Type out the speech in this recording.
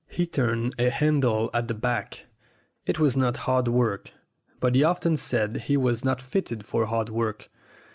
He turned a handle at the back. It was not hard work, but he often said he was not fitted for hard work.